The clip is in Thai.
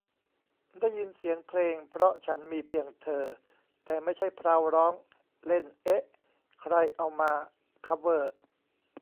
ได้ยินเสียงเพลง 'เพราะฉันมีเพียงเธอ' แต่ไม่ใช่ 'พราว' ร้องเล่น เอ๊ะ ใครเอามาคัฟเวอร์ ?